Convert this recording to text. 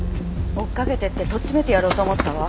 追いかけていってとっちめてやろうと思ったわ。